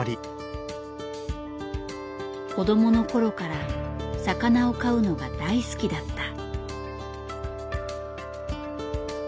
子どもの頃から魚を飼うのが大好きだった。